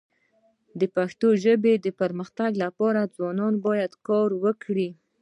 د پښتو ژبي د پرمختګ لپاره ځوانان باید کار وکړي.